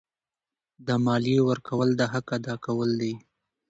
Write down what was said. د مالیې ورکول د حق ادا کول دي.